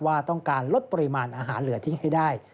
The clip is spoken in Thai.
ว่าต้องการลดปริมาณอาหารเหลือทิ้งให้ได้